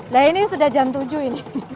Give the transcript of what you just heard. nah ini sudah jam tujuh ini